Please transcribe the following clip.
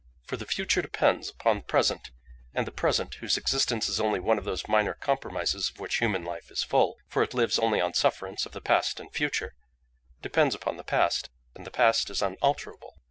"For the future depends upon the present, and the present (whose existence is only one of those minor compromises of which human life is full—for it lives only on sufferance of the past and future) depends upon the past, and the past is unalterable.